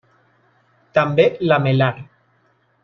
També lamel·lar.